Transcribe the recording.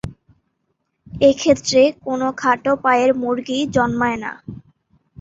এক্ষেত্রে কোনো খাটো পায়ের মুরগি জন্মায় না।